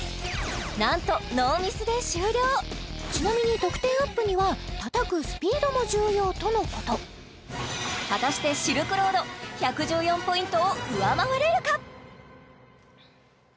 なんとノーミスで終了ちなみに得点アップにはたたくスピードも重要とのこと果たしてシルクロード１１４ポイントを上回れるか？